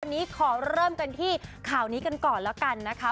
วันนี้ขอเริ่มกันที่ข่าวนี้กันก่อนแล้วกันนะคะ